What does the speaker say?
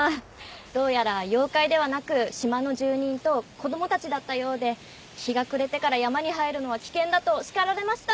どうやら妖怪ではなく島の住人と子供たちだったようで日が暮れてから山に入るのは危険だと叱られました。